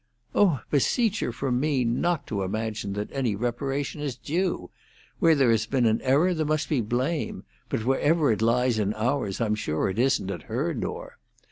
"Oh, beseech her from me not to imagine that any reparation is due! Where there has been an error there must be blame; but wherever it lies in ours, I am sure it isn't at her door.